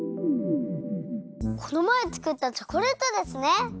このまえつくったチョコレートですね！